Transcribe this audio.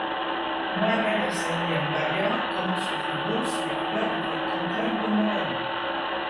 Mohamed Hassani Mbalia commence le football sous les couleurs du Volcan Club de Moroni.